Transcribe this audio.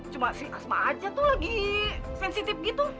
cuma si asma aja tuh lagi sensitif gitu